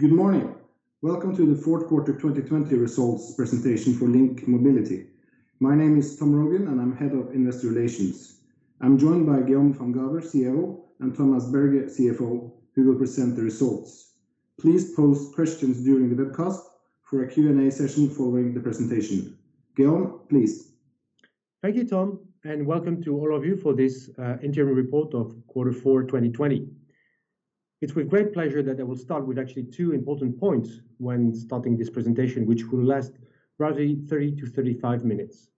Good morning. Welcome to the Fourth Quarter 2020 Results Presentation for LINK Mobility. My name is Tom Rogn, and I'm Head of Investor Relations. I'm joined by Guillaume Van Gaver, CEO, and Thomas Berge, CFO, who will present the results. Please post questions during the webcast for a Q&A session following the presentation. Guillaume, please. Thank you, Tom, and welcome to all of you for this interim report of quarter four 2020. It is with great pleasure that I will start with actually two important points when starting this presentation, which will last roughly 30 to 35 minutes.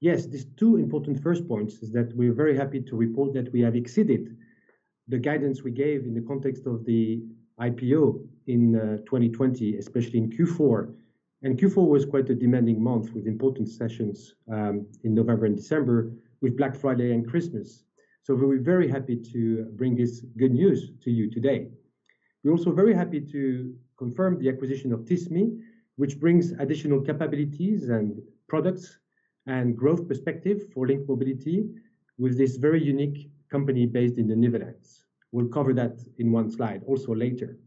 These two important first points is that we are very happy to report that we have exceeded the guidance we gave in the context of the IPO in 2020, especially in Q4. Q4 was quite a demanding month with important sessions, in November and December with Black Friday and Christmas. We are very happy to bring this good news to you today. We are also very happy to confirm the acquisition of Tismi, which brings additional capabilities and products and growth perspective for LINK Mobility with this very unique company based in the Netherlands. We will cover that in one slide also later.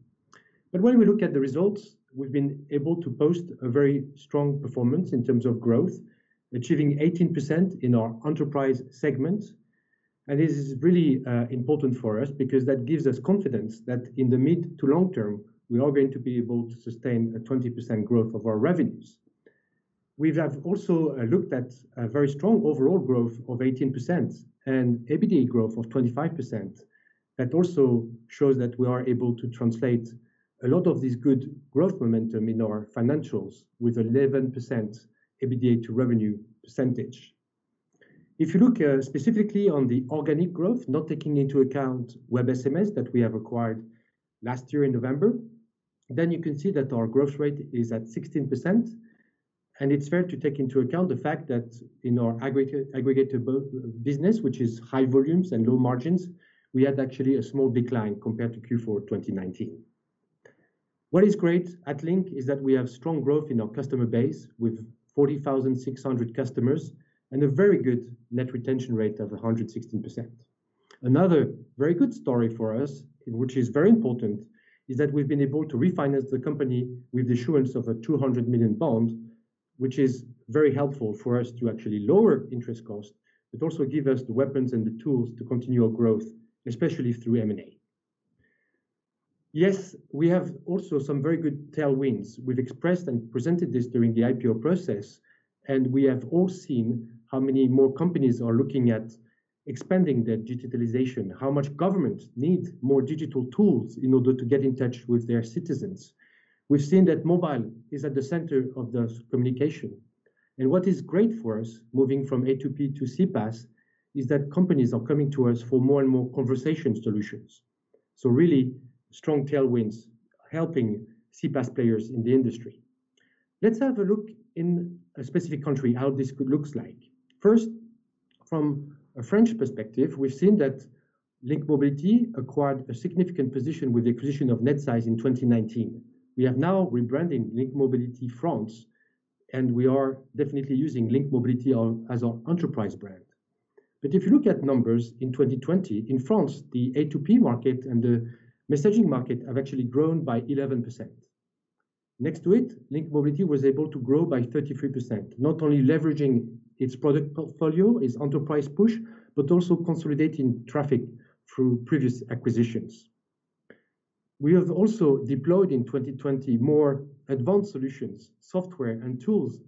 When we look at the results, we've been able to boast a very strong performance in terms of growth, achieving 18% in our enterprise segment. This is really important for us because that gives us confidence that in the mid to long term, we are going to be able to sustain a 20% growth of our revenues. We have also looked at a very strong overall growth of 18% and EBITDA growth of 25%. That also shows that we are able to translate a lot of this good growth momentum in our financials with 11% EBITDA to revenue percentage. If you look specifically on the organic growth, not taking into account WebSMS that we have acquired last year in November, then you can see that our growth rate is at 16%. It's fair to take into account the fact that in our aggregatable business, which is high volumes and low margins, we had actually a small decline compared to Q4 2019. What is great at LINK is that we have strong growth in our customer base with 40,600 customers and a very good net retention rate of 116%. Another very good story for us, which is very important, is that we've been able to refinance the company with the issuance of a 200 million bond, which is very helpful for us to actually lower interest costs, but also give us the weapons and the tools to continue our growth, especially through M&A. Yes, we have also some very good tailwinds. We've expressed and presented this during the IPO process, we have all seen how many more companies are looking at expanding their digitalization, how much government need more digital tools in order to get in touch with their citizens. We've seen that mobile is at the center of those communication. What is great for us, moving from A2P to CPaaS, is that companies are coming to us for more and more conversation solutions. Really strong tailwinds helping CPaaS players in the industry. Let's have a look in a specific country how this could looks like. First, from a French perspective, we've seen that LINK Mobility acquired a significant position with the acquisition of Netsize in 2019. We are now rebranding LINK Mobility France, and we are definitely using LINK Mobility as our enterprise brand. If you look at numbers in 2020, in France, the A2P market and the messaging market have actually grown by 11%. Next to it, LINK Mobility was able to grow by 33%, not only leveraging its product portfolio, its enterprise push, but also consolidating traffic through previous acquisitions. We have also deployed in 2020 more advanced solutions, software, and tools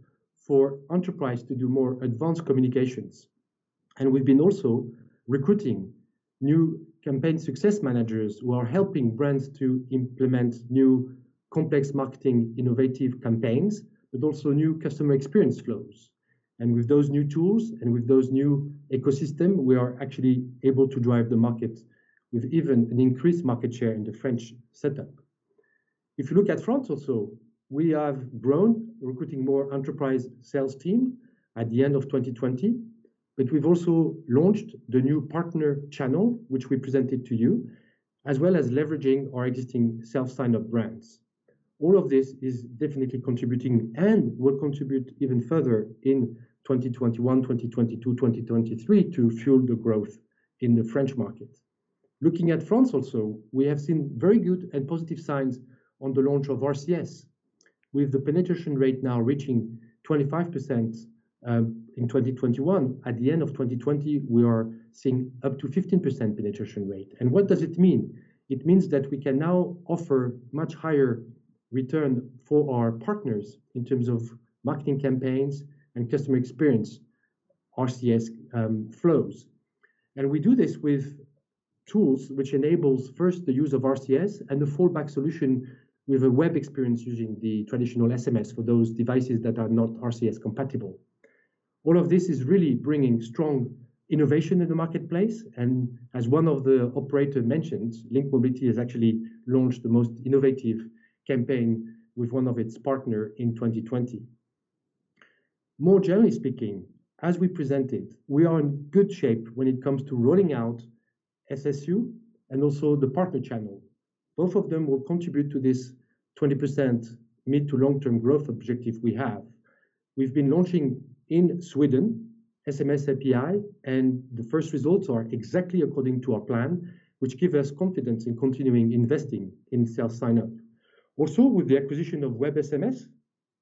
for enterprise to do more advanced communications. We've been also recruiting new campaign success managers who are helping brands to implement new complex marketing innovative campaigns, but also new customer experience flows. With those new tools and with those new ecosystem, we are actually able to drive the market with even an increased market share in the French setup. If you look at France also, we have grown recruiting more enterprise sales team at the end of 2020, but we've also launched the new partner channel, which we presented to you, as well as leveraging our existing self-signup brands. All of this is definitely contributing and will contribute even further in 2021, 2022, 2023 to fuel the growth in the French market. Looking at France also, we have seen very good and positive signs on the launch of RCS, with the penetration rate now reaching 25% in 2021. At the end of 2020, we are seeing up to 15% penetration rate. What does it mean? It means that we can now offer much higher return for our partners in terms of marketing campaigns and customer experience RCS flows. We do this with tools which enables first the use of RCS and a fallback solution with a web experience using the traditional SMS for those devices that are not RCS compatible. All of this is really bringing strong innovation in the marketplace, and as one of the operator mentioned, LINK Mobility has actually launched the most innovative campaign with one of its partner in 2020. More generally speaking, as we presented, we are in good shape when it comes to rolling out SSU, and also the partner channel. Both of them will contribute to this 20% mid to long-term growth objective we have. We've been launching in Sweden, SMS API, and the first results are exactly according to our plan, which give us confidence in continuing investing in self-signup. With the acquisition of WebSMS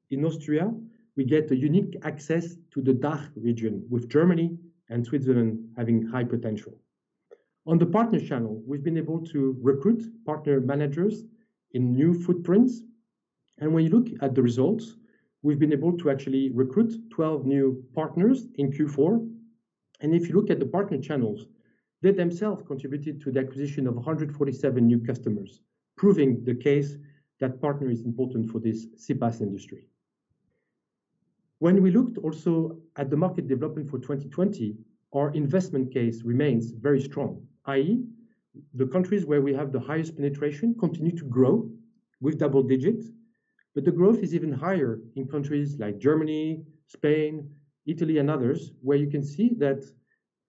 in Austria, we get a unique access to the DACH region, with Germany and Switzerland having high potential. On the partner channel, we've been able to recruit partner managers in new footprints, when you look at the results, we've been able to actually recruit 12 new partners in Q4. If you look at the partner channels, they themselves contributed to the acquisition of 147 new customers, proving the case that partner is important for this CPaaS industry. When we looked also at the market development for 2020, our investment case remains very strong, i.e., the countries where we have the highest penetration continue to grow with double digits, but the growth is even higher in countries like Germany, Spain, Italy, and others, where you can see that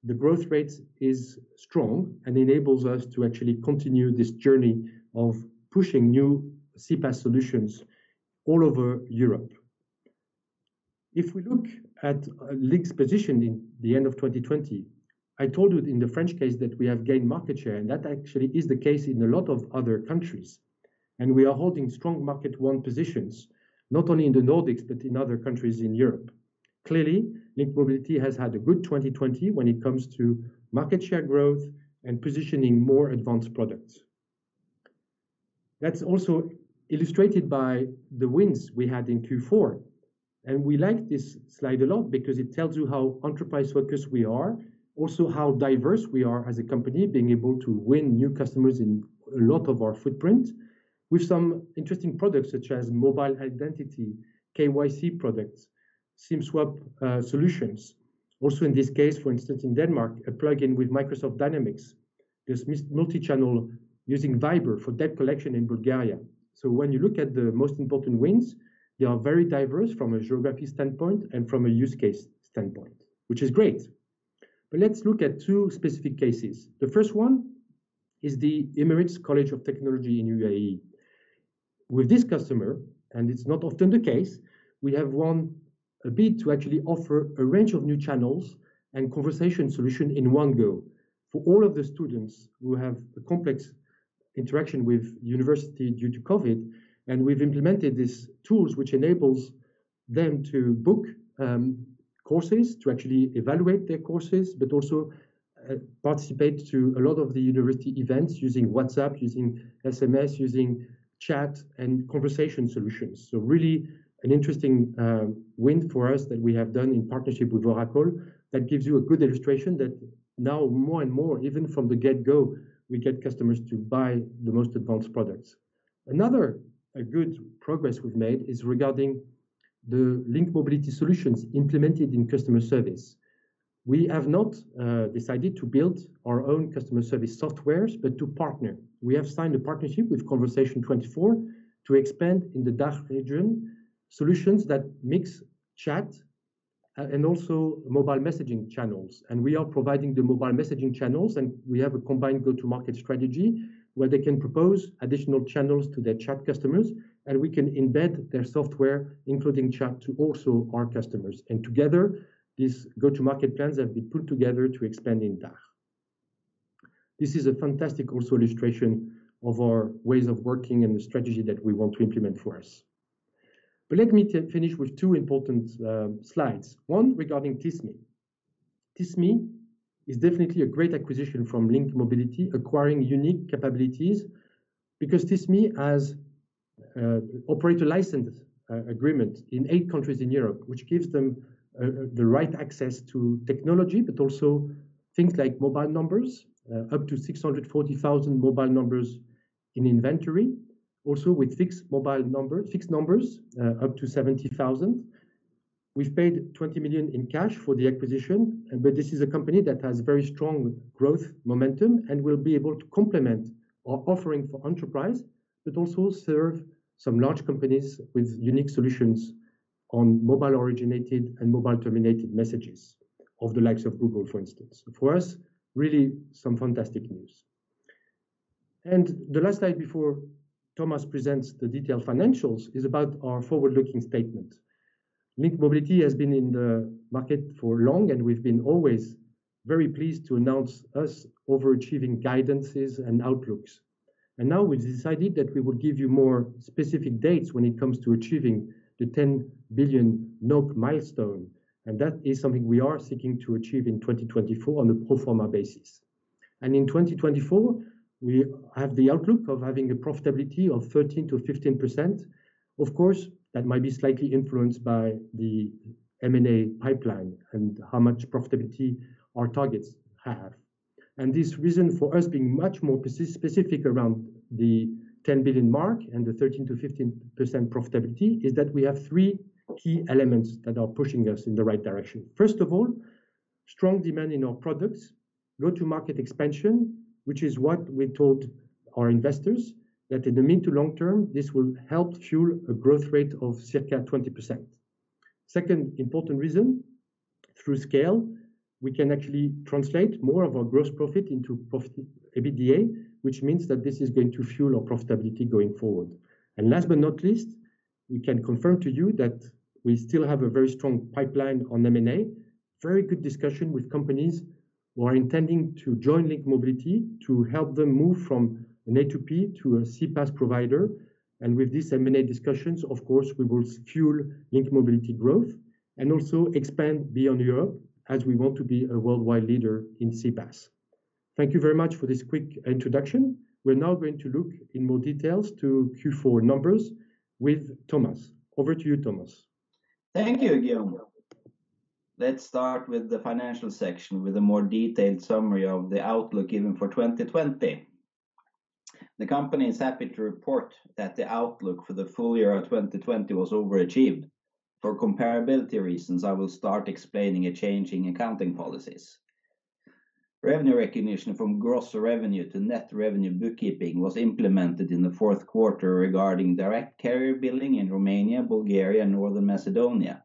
the growth rate is strong and enables us to actually continue this journey of pushing new CPaaS solutions all over Europe. If we look at LINK Mobility's position in the end of 2020, I told you in the French case that we have gained market share, and that actually is the case in a lot of other countries, and we are holding strong market one positions, not only in the Nordics, but in other countries in Europe. Clearly, LINK Mobility has had a good 2020 when it comes to market share growth and positioning more advanced products. That's also illustrated by the wins we had in Q4. We like this slide a lot because it tells you how enterprise-focused we are. How diverse we are as a company, being able to win new customers in a lot of our footprint with some interesting products such as mobile identity, KYC products, SIM swap solutions. In this case, for instance, in Denmark, a plugin with Microsoft Dynamics. There's multichannel using Viber for debt collection in Bulgaria. When you look at the most important wins, they are very diverse from a geography standpoint and from a use case standpoint, which is great. Let's look at two specific cases. The first one is the Emirates College of Technology in UAE. With this customer, and it's not often the case, we have won a bid to actually offer a range of new channels and conversation solution in one go for all of the students who have a complex interaction with university due to COVID, and we've implemented these tools, which enables them to book courses, to actually evaluate their courses, but also participate to a lot of the university events using WhatsApp, using SMS, using chat and conversation solutions. Really an interesting win for us that we have done in partnership with Oracle that gives you a good illustration that now more and more, even from the get-go, we get customers to buy the most advanced products. Another good progress we've made is regarding the LINK Mobility solutions implemented in customer service. We have not decided to build our own customer service software, but to partner. We have signed a partnership with Conversation24 to expand in the DACH region solutions that mix chat and also mobile messaging channels. We are providing the mobile messaging channels, and we have a combined go-to-market strategy where they can propose additional channels to their chat customers, and we can embed their software, including chat, to also our customers. Together, these go-to-market plans have been put together to expand in DACH. This is a fantastic also illustration of our ways of working and the strategy that we want to implement for us. Let me finish with two important slides. One regarding Tismi. Tismi is definitely a great acquisition from LINK Mobility, acquiring unique capabilities because Tismi has operator license agreement in eight countries in Europe, which gives them the right access to technology, but also things like mobile numbers, up to 640,000 mobile numbers in inventory. With fixed mobile numbers, fixed numbers up to 70,000. We've paid 20 million in cash for the acquisition, but this is a company that has very strong growth momentum and will be able to complement our offering for enterprise, but also serve some large companies with unique solutions on mobile-originated and mobile-terminated messages of the likes of Google, for instance. For us, really some fantastic news. The last slide before Thomas presents the detailed financials is about our forward-looking statement. LINK Mobility has been in the market for long, and we've been always very pleased to announce us overachieving guidances and outlooks. Now we've decided that we will give you more specific dates when it comes to achieving the 10 billion NOK milestone, and that is something we are seeking to achieve in 2024 on a pro forma basis. In 2024, we have the outlook of having a profitability of 13%-15%. Of course, that might be slightly influenced by the M&A pipeline and how much profitability our targets have. This reason for us being much more specific around the 10 billion mark and the 13%-15% profitability is that we have three key elements that are pushing us in the right direction. First of all, strong demand in our products, go-to-market expansion, which is what we told our investors, that in the mid to long term, this will help fuel a growth rate of circa 20%. Second important reason, through scale, we can actually translate more of our gross profit into profit EBITDA, which means that this is going to fuel our profitability going forward. Last but not least, we can confirm to you that we still have a very strong pipeline on M&A. Very good discussion with companies who are intending to join LINK Mobility to help them move from an A2P to a CPaaS provider. With these M&A discussions, of course, we will fuel LINK Mobility growth and also expand beyond Europe as we want to be a worldwide leader in CPaaS. Thank you very much for this quick introduction. We're now going to look in more details to Q4 numbers with Thomas. Over to you, Thomas. Thank you, Guillaume. Let's start with the financial section with a more detailed summary of the outlook given for 2020. The company is happy to report that the outlook for the full year of 2020 was overachieved. For comparability reasons, I will start explaining a change in accounting policies. Revenue recognition from gross revenue to net revenue bookkeeping was implemented in the fourth quarter regarding direct carrier billing in Romania, Bulgaria, North Macedonia.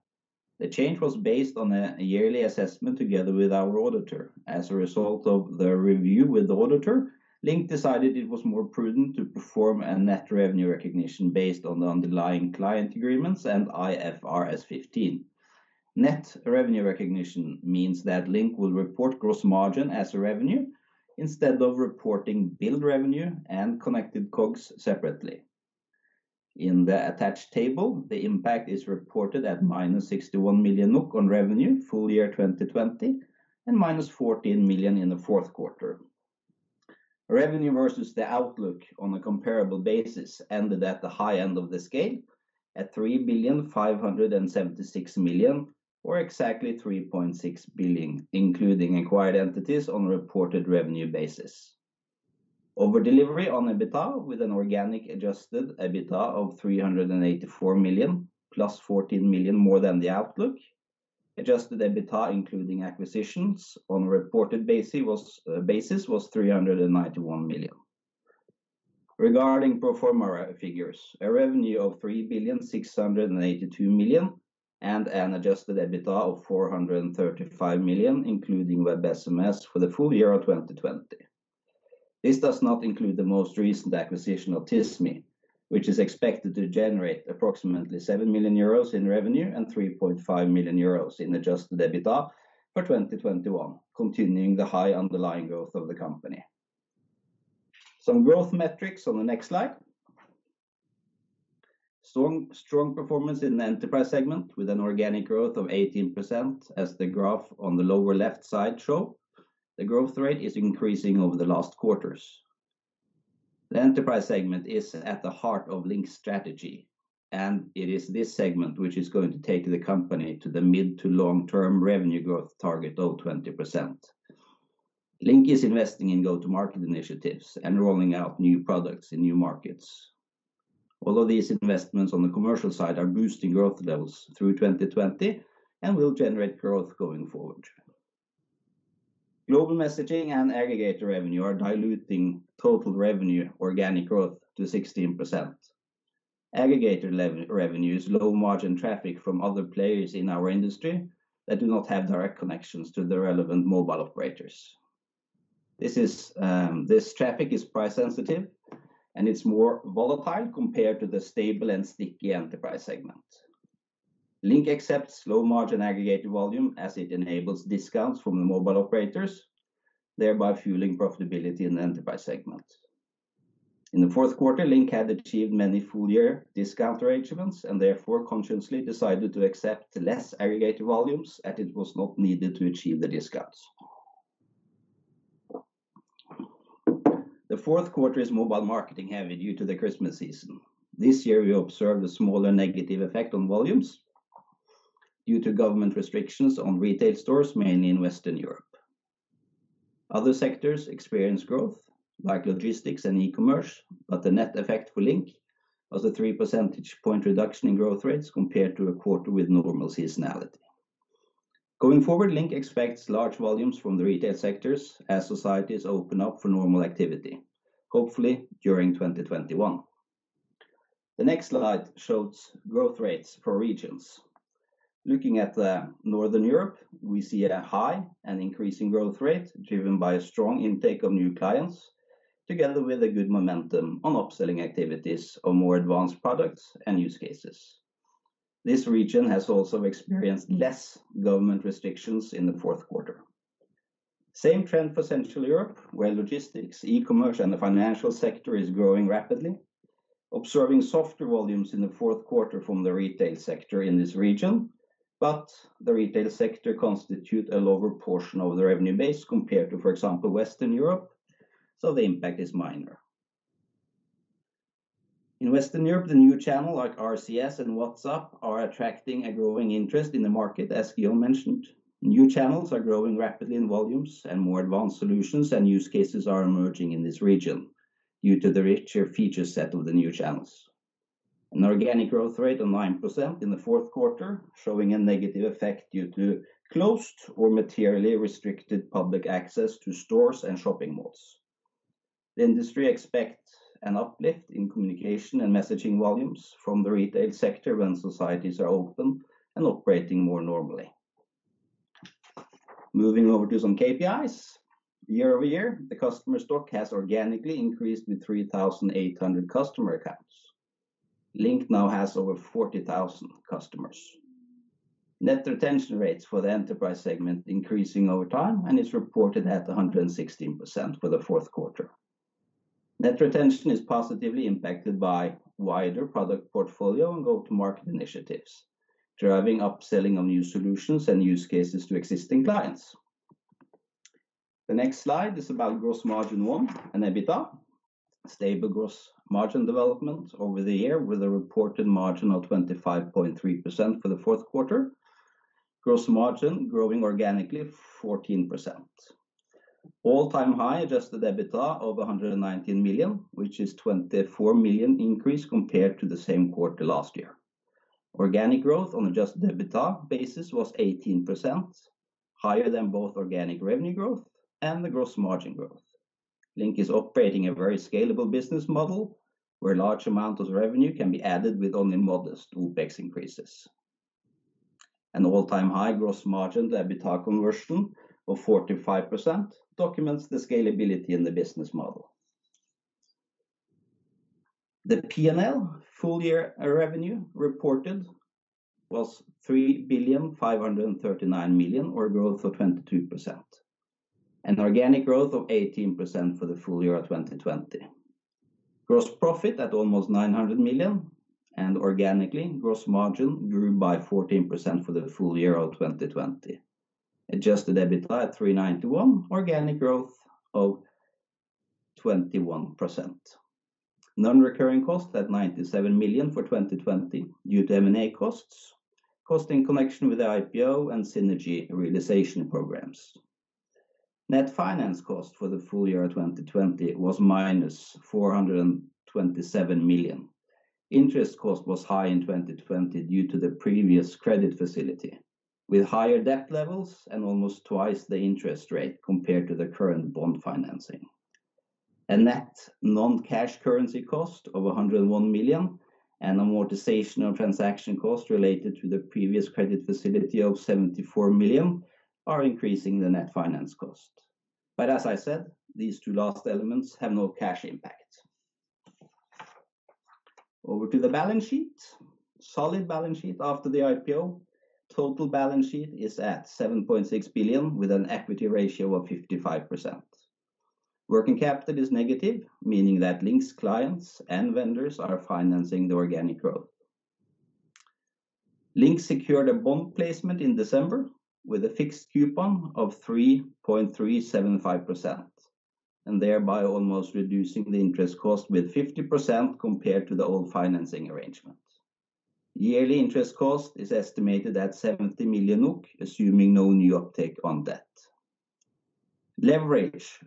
The change was based on a yearly assessment together with our auditor. As a result of the review with the auditor, LINK decided it was more prudent to perform a net revenue recognition based on the underlying client agreements and IFRS 15. Net revenue recognition means that LINK will report gross margin as revenue instead of reporting billed revenue and connected COGS separately. In the attached table, the impact is reported at minus 61 million NOK on revenue full year 2020 and minus 14 million in the fourth quarter. Revenue versus the outlook on a comparable basis ended at the high end of the scale at 3.576 billion or exactly 3.6 billion, including acquired entities on a reported revenue basis. Over delivery on EBITDA with an organic adjusted EBITDA of 384 million plus 14 million more than the outlook. Adjusted EBITDA, including acquisitions on a reported basis was 391 million. Regarding pro forma figures, a revenue of 3.682 billion and an adjusted EBITDA of 435 million, including WebSMS for the full year of 2020. This does not include the most recent acquisition of Tismi, which is expected to generate approximately 7 million euros in revenue and 3.5 million euros in adjusted EBITDA for 2021, continuing the high underlying growth of the company. Some growth metrics on the next slide. Strong performance in the enterprise segment with an organic growth of 18% as the graph on the lower left side show. The growth rate is increasing over the last quarters. The enterprise segment is at the heart of LINK's strategy, and it is this segment which is going to take the company to the mid to long-term revenue growth target of 20%. LINK is investing in go-to-market initiatives and rolling out new products in new markets. Although these investments on the commercial side are boosting growth levels through 2020 and will generate growth going forward. Global messaging and aggregator revenue are diluting total revenue organic growth to 16%. Aggregator revenue is low margin traffic from other players in our industry that do not have direct connections to the relevant mobile operators. This traffic is price sensitive, and it's more volatile compared to the stable and sticky enterprise segment. LINK accepts low margin aggregated volume as it enables discounts from the mobile operators, thereby fueling profitability in the enterprise segment. In the fourth quarter, LINK had achieved many full year discount arrangements and therefore consciously decided to accept less aggregated volumes as it was not needed to achieve the discounts. The fourth quarter is mobile marketing heavy due to the Christmas season. This year, we observed a smaller negative effect on volumes due to government restrictions on retail stores, mainly in Western Europe. Other sectors experience growth like logistics and e-commerce, but the net effect for LINK was a three percentage point reduction in growth rates compared to a quarter with normal seasonality. Going forward, LINK expects large volumes from the retail sectors as societies open up for normal activity, hopefully during 2021. The next slide shows growth rates for regions. Looking at Northern Europe, we see a high and increasing growth rate driven by a strong intake of new clients, together with a good momentum on upselling activities or more advanced products and use cases. This region has also experienced less government restrictions in the fourth quarter. Same trend for Central Europe, where logistics, e-commerce, and the financial sector is growing rapidly, observing softer volumes in the fourth quarter from the retail sector in this region. The retail sector constitute a lower portion of the revenue base compared to, for example, Western Europe, so the impact is minor. In Western Europe, the new channel like RCS and WhatsApp are attracting a growing interest in the market, as Guillaume mentioned. New channels are growing rapidly in volumes, and more advanced solutions and use cases are emerging in this region due to the richer feature set of the new channels. An organic growth rate of 9% in the fourth quarter, showing a negative effect due to closed or materially restricted public access to stores and shopping malls. The industry expects an uplift in communication and messaging volumes from the retail sector when societies are open and operating more normally. Moving over to some KPIs. Year-over-year, the customer stock has organically increased with 3,800 customer accounts. LINK now has over 40,000 customers. Net retention rates for the enterprise segment increasing over time and is reported at 116% for the fourth quarter. Net retention is positively impacted by wider product portfolio and go-to-market initiatives, driving upselling of new solutions and use cases to existing clients. The next slide is about gross margin one and EBITDA. Stable gross margin development over the year with a reported margin of 25.3% for the fourth quarter. Gross margin growing organically 14%. All-time high adjusted EBITDA of 119 million, which is a 24 million increase compared to the same quarter last year. Organic growth on adjusted EBITDA basis was 18%, higher than both organic revenue growth and the gross margin growth. LINK is operating a very scalable business model, where a large amount of revenue can be added with only modest OPEX increases. An all-time high gross margin to EBITDA conversion of 45% documents the scalability in the business model. The P&L full year revenue reported was 3,539,000,000, or a growth of 22%, and organic growth of 18% for the full year of 2020. Gross profit at almost 900 million. Organically, gross margin grew by 14% for the full year of 2020. Adjusted EBITDA at 391 million, organic growth of 21%. Non-recurring costs at 97 million for 2020 due to M&A costs, cost in connection with the IPO and synergy realization programs. Net finance cost for the full year 2020 was minus 427 million. Interest cost was high in 2020 due to the previous credit facility, with higher debt levels and almost twice the interest rate compared to the current bond financing. A net non-cash currency cost of 101 million and amortization of transaction cost related to the previous credit facility of 74 million are increasing the net finance cost. As I said, these two last elements have no cash impact. Over to the balance sheet. Solid balance sheet after the IPO. Total balance sheet is at 7.6 billion, with an equity ratio of 55%. Working capital is negative, meaning that LINK Mobility's clients and vendors are financing the organic growth. LINK Mobility secured a bond placement in December with a fixed coupon of 3.375%, thereby almost reducing the interest cost with 50% compared to the old financing arrangement. Yearly interest cost is estimated at 70 million NOK, assuming no new uptake on debt. Leverage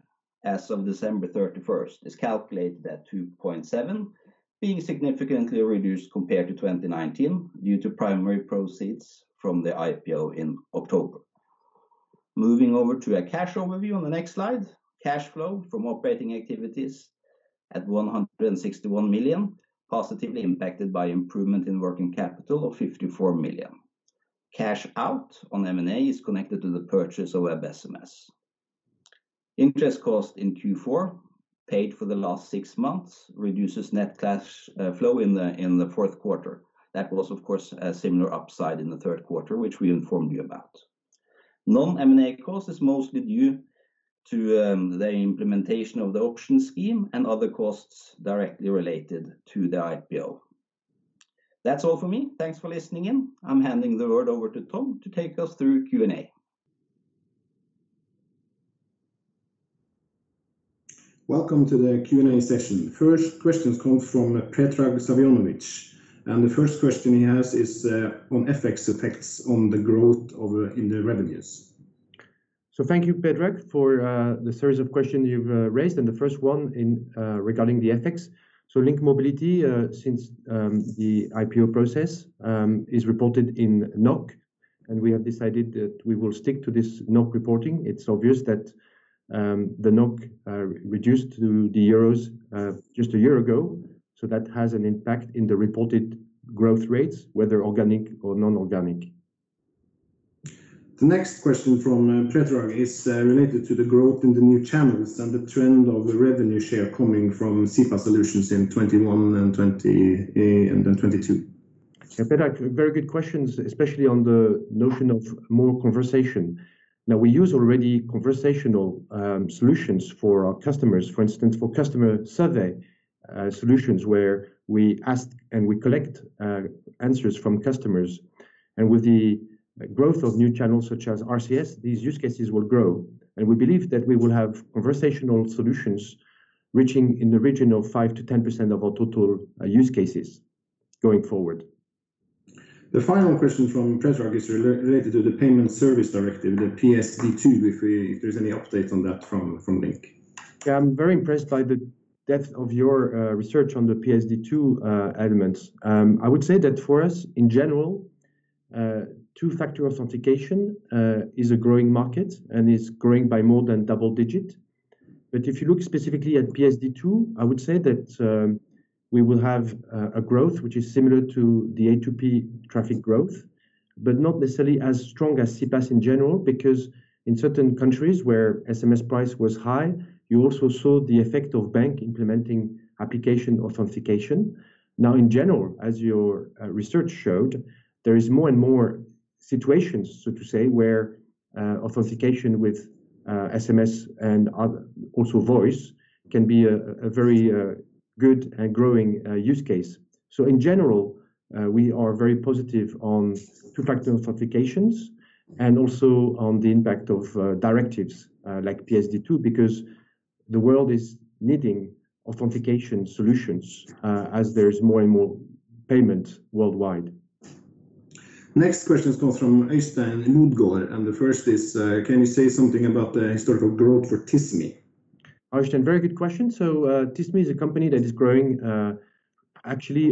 as of December 31st is calculated at 2.7, being significantly reduced compared to 2019 due to primary proceeds from the IPO in October. Moving over to a cash overview on the next slide. Cash flow from operating activities at 161 million, positively impacted by improvement in working capital of 54 million. Cash out on M&A is connected to the purchase of WebSMS. Interest cost in Q4 paid for the last six months reduces net cash flow in the fourth quarter. That was, of course, a similar upside in the third quarter, which we informed you about. Non-M&A cost is mostly due to the implementation of the option scheme and other costs directly related to the IPO. That's all for me. Thanks for listening in. I'm handing the word over to Tom to take us through Q&A. Welcome to the Q&A session. First questions come from Predrag Savinovic. The first question he has is on FX effects on the growth in the revenues. Thank you, Predrag, for the series of questions you have raised and the first one regarding the FX. LINK Mobility, since the IPO process, is reported in NOK, and we have decided that we will stick to this NOK reporting. It is obvious that the NOK reduced to the EURO just a year ago, that has an impact in the reported growth rates, whether organic or non-organic. The next question from Predrag is related to the growth in the new channels and the trend of the revenue share coming from CPaaS solutions in 2021 and 2022. Yeah, Predrag, very good questions, especially on the notion of more conversation. Now, we use already conversational solutions for our customers. For instance, for customer survey solutions where we ask and we collect answers from customers. With the growth of new channels such as RCS, these use cases will grow, and we believe that we will have conversational solutions reaching in the region of 5%-10% of our total use cases going forward. The final question from Predrag is related to the Payment Services Directive, the PSD2, if there's any update on that from LINK. Yeah, I'm very impressed by the depth of your research on the PSD2 elements. I would say that for us in general, two-factor authentication is a growing market and is growing by more than double-digit. If you look specifically at PSD2, I would say that we will have a growth, which is similar to the A2P traffic growth, but not necessarily as strong as CPaaS in general, because in certain countries where SMS price was high, you also saw the effect of bank implementing application authentication. Now, in general, as your research showed, there is more and more situations, so to say, where authentication with SMS and also voice can be a very good and growing use case. In general, we are very positive on two-factor authentications and also on the impact of directives like PSD2, because the world is needing authentication solutions as there is more and more payment worldwide. Next questions come from Øystein Ludgaard, and the first is, can you say something about the historical growth for Tismi? Øystein, very good question. Tismi is a company that is growing actually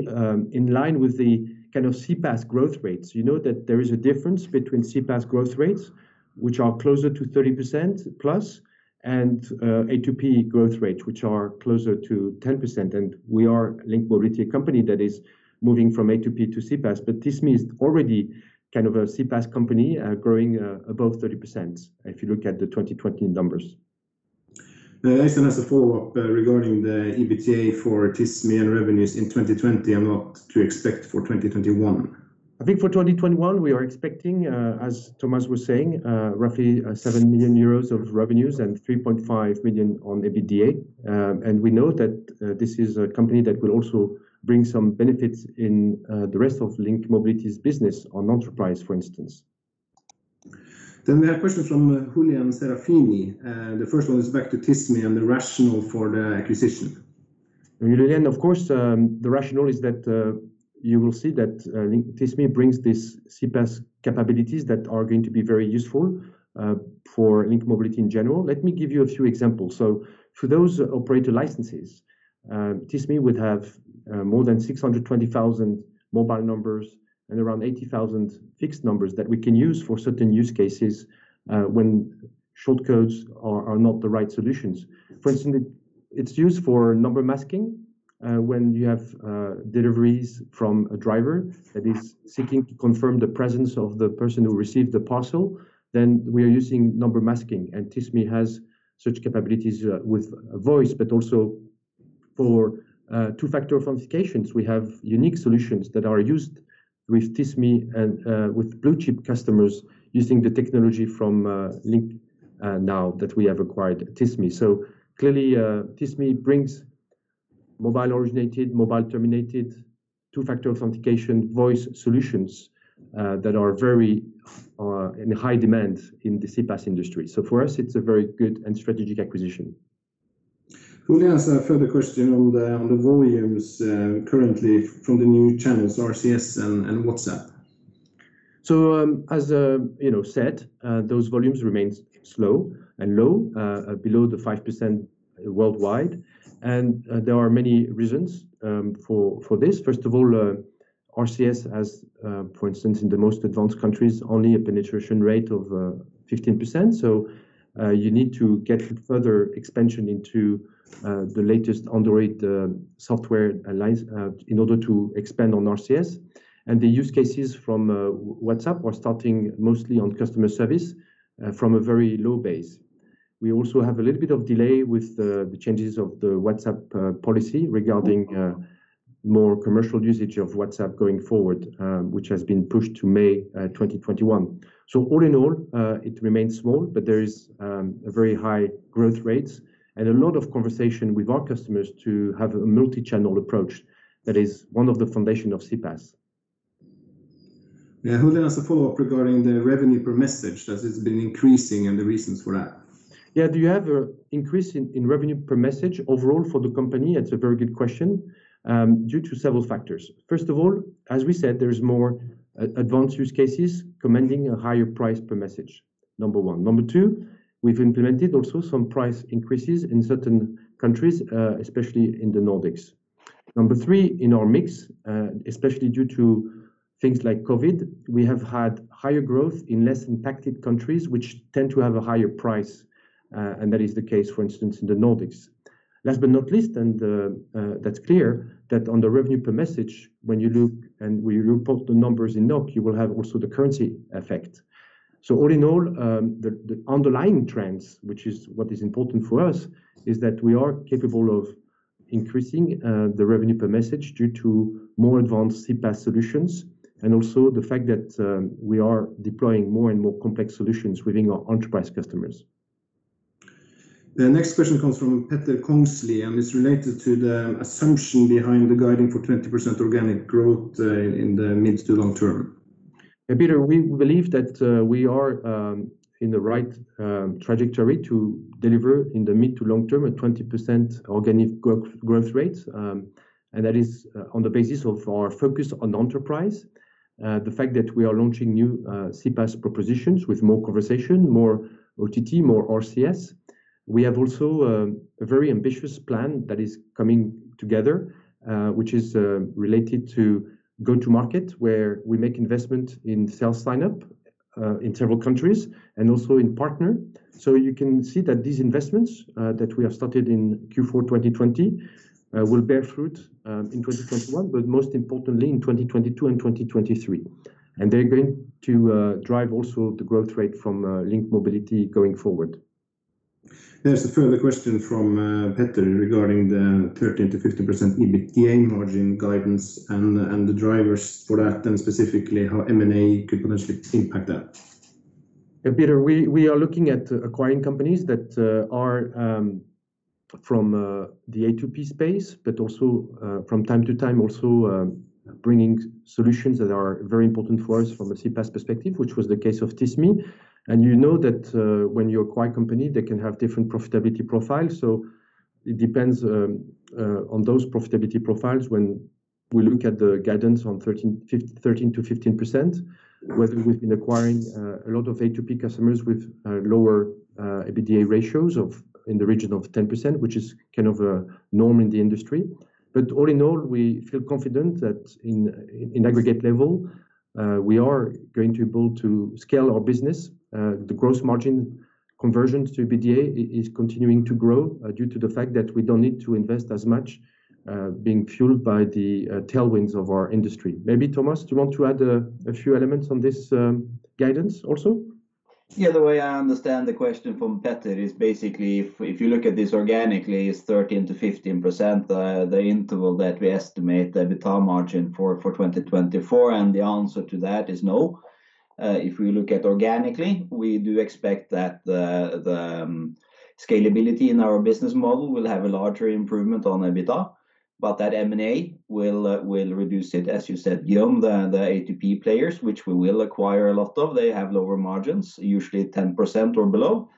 in line with the kind of CPaaS growth rates. You know that there is a difference between CPaaS growth rates, which are closer to 30%+ and A2P growth rates, which are closer to 10%. We are LINK Mobility, a company that is moving from A2P to CPaaS, but Tismi is already kind of a CPaaS company growing above 30%, if you look at the 2020 numbers. Øystein has a follow-up regarding the EBITDA for Tismi and revenues in 2020 and what to expect for 2021. I think for 2021, we are expecting, as Thomas was saying, roughly 7 million euros of revenues and 3.5 million on EBITDA. We know that this is a company that will also bring some benefits in the rest of LINK Mobility's business on enterprise, for instance. We have a question from Julian Serafini. The first one is back to Tismi and the rationale for the acquisition. Julian, of course, the rationale is that you will see that Tismi brings these CPaaS capabilities that are going to be very useful for LINK Mobility in general. Let me give you a few examples. For those operator licenses, Tismi would have more than 620,000 mobile numbers and around 80,000 fixed numbers that we can use for certain use cases when short codes are not the right solutions. For instance, it's used for number masking when you have deliveries from a driver that is seeking to confirm the presence of the person who received the parcel, then we are using number masking, and Tismi has such capabilities with voice, but also for two-factor authentications. We have unique solutions that are used with Tismi and with blue-chip customers using the technology from LINK now that we have acquired Tismi. Clearly, Tismi brings mobile originated, mobile terminated two-factor authentication voice solutions that are very in high demand in the CPaaS industry. For us, it's a very good and strategic acquisition. Julian has a further question on the volumes currently from the new channels, RCS and WhatsApp. As you know, said those volumes remain slow and low below the 5% worldwide. There are many reasons for this. First of all, RCS has, for instance, in the most advanced countries, only a penetration rate of 15%. You need to get further expansion into the latest Android software alliance in order to expand on RCS. The use cases from WhatsApp are starting mostly on customer service from a very low base. We also have a little bit of delay with the changes of the WhatsApp policy regarding more commercial usage of WhatsApp going forward, which has been pushed to May 2021. All in all, it remains small, but there is a very high growth rates and a lot of conversation with our customers to have a multi-channel approach that is one of the foundation of CPaaS. Yeah. Julian has a follow-up regarding the revenue per message, that it's been increasing and the reasons for that. Yeah. Do you have an increase in revenue per message overall for the company? It's a very good question. Due to several factors. First of all, as we said, there's more advanced use cases commanding a higher price per message, number one. Number two, we've implemented also some price increases in certain countries, especially in the Nordics. Number three, in our mix, especially due to things like COVID, we have had higher growth in less impacted countries, which tend to have a higher price. That is the case, for instance, in the Nordics. Last but not least, that's clear that on the revenue per message, when you look and we report the numbers in NOK, you will have also the currency effect. All in all, the underlying trends, which is what is important for us, is that we are capable of increasing the revenue per message due to more advanced CPaaS solutions, and also the fact that we are deploying more and more complex solutions within our enterprise customers. The next question comes from Petter Kongsli, and it's related to the assumption behind the guiding for 20% organic growth in the mid to long term. Petter, we believe that we are in the right trajectory to deliver in the mid to long term a 20% organic growth rate. That is on the basis of our focus on enterprise. The fact that we are launching new CPaaS propositions with more conversation, more OTT, more RCS. We have also a very ambitious plan that is coming together, which is related to go to market where we make investment in self-signup in several countries, and also in partner. You can see that these investments that we have started in Q4 2020 will bear fruit in 2021, but most importantly, in 2022 and 2023. They're going to drive also the growth rate from Link Mobility going forward. There's a further question from Petter regarding the 13%-15% EBITDA margin guidance and the drivers for that, and specifically how M&A could potentially impact that. Yeah, Petter, we are looking at acquiring companies that are from the A2P space, also from time to time also bringing solutions that are very important for us from a CPaaS perspective, which was the case of Tismi. You know that when you acquire a company, they can have different profitability profiles. It depends on those profitability profiles when we look at the guidance on 13%-15%, whether we've been acquiring a lot of A2P customers with lower EBITDA ratios in the region of 10%, which is kind of a norm in the industry. All in all, we feel confident that in aggregate level, we are going to be able to scale our business. The gross margin conversion to EBITDA is continuing to grow due to the fact that we don't need to invest as much, being fueled by the tailwinds of our industry. Maybe, Thomas, do you want to add a few elements on this guidance also? The way I understand the question from Petter is basically if you look at this organically, it's 13%-15%, the interval that we estimate the EBITDA margin for 2024, the answer to that is no. If we look at organically, we do expect that the scalability in our business model will have a larger improvement on EBITDA, that M&A will reduce it. As you said, Guillaume, the A2P players, which we will acquire a lot of, they have lower margins, usually 10% or below,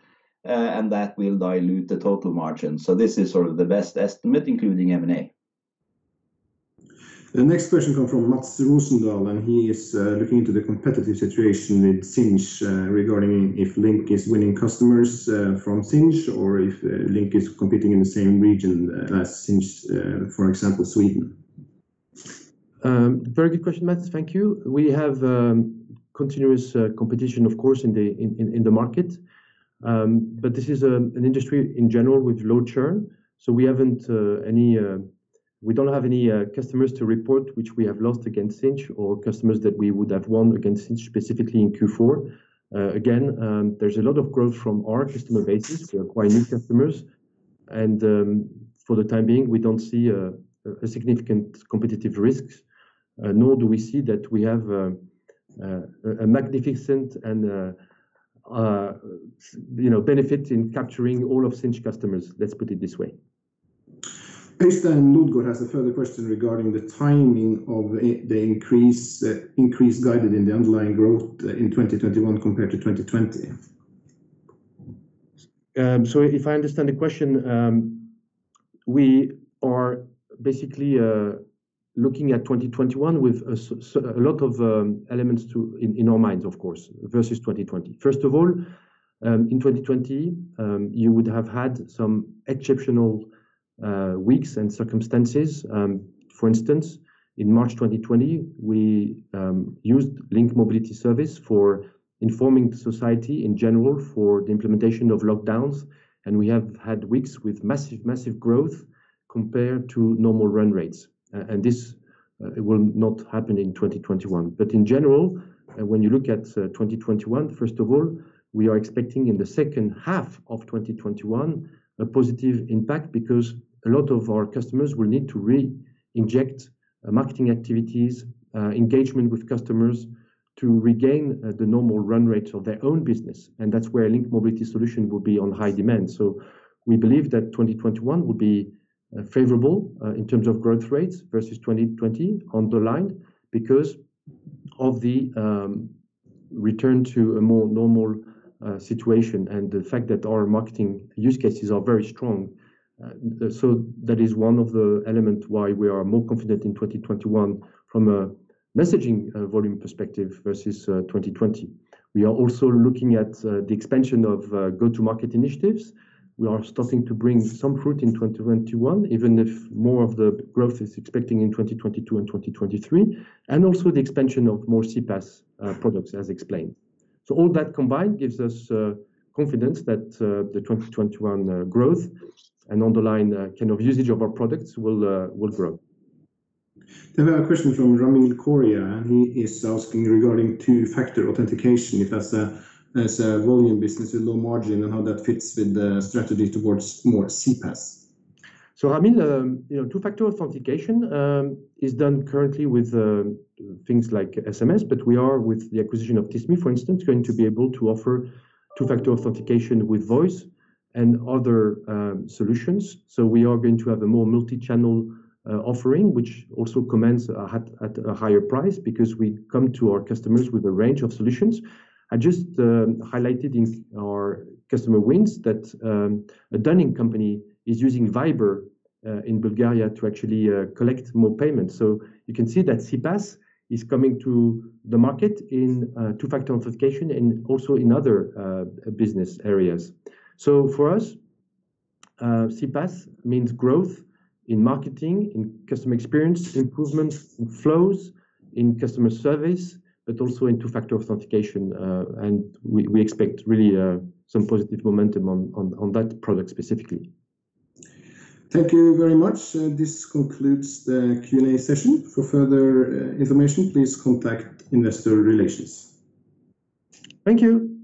that will dilute the total margin. This is sort of the best estimate, including M&A. The next question come from Mads Rosendahl. He is looking into the competitive situation with Sinch regarding if LINK is winning customers from Sinch or if LINK is competing in the same region as Sinch, for example, Sweden. Very good question, Mads. Thank you. We have continuous competition, of course, in the market. This is an industry in general with low churn, so we don't have any customers to report which we have lost against Sinch or customers that we would have won against Sinch specifically in Q4. Again, there's a lot of growth from our customer bases. We acquire new customers, and for the time being, we don't see a significant competitive risk, nor do we see that we have a magnificent benefit in capturing all of Sinch customers, let's put it this way. Øystein Ludgaard has a further question regarding the timing of the increase guided in the underlying growth in 2021 compared to 2020. If I understand the question, we are basically looking at 2021 with a lot of elements in our minds, of course, versus 2020. First of all, in 2020, you would have had some exceptional weeks and circumstances. For instance, in March 2020, we used LINK Mobility service for informing society in general for the implementation of lockdowns, and we have had weeks with massive growth compared to normal run rates. This will not happen in 2021. In general, when you look at 2021, first of all, we are expecting in the second half of 2021 a positive impact because a lot of our customers will need to reinject marketing activities, engagement with customers to regain the normal run rates of their own business, and that's where LINK Mobility solution will be on high demand. We believe that 2021 will be favorable in terms of growth rates versus 2020 on the line because of the return to a more normal situation and the fact that our marketing use cases are very strong. That is one of the elements why we are more confident in 2021 from a messaging volume perspective versus 2020. We are also looking at the expansion of go-to-market initiatives. We are starting to bring some fruit in 2021, even if more of the growth is expecting in 2022 and 2023, and also the expansion of more CPaaS products, as explained. All that combined gives us confidence that the 2021 growth and underlying kind of usage of our products will grow. We have a question from Ramil Koria. He is asking regarding two-factor authentication if that's a volume business with low margin and how that fits with the strategy towards more CPaaS. Ramil, two-factor authentication is done currently with things like SMS, but we are, with the acquisition of Tismi, for instance, going to be able to offer two-factor authentication with voice and other solutions. We are going to have a more multi-channel offering, which also commands at a higher price because we come to our customers with a range of solutions. I just highlighted in our customer wins that a dunning company is using Viber in Bulgaria to actually collect more payments. You can see that CPaaS is coming to the market in two-factor authentication and also in other business areas. For us, CPaaS means growth in marketing, in customer experience improvement in flows, in customer service, but also in two-factor authentication. We expect really some positive momentum on that product specifically. Thank you very much. This concludes the Q&A session. For further information, please contact Investor Relations. Thank you.